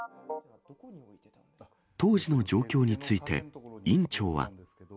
当時の状況について、院長は。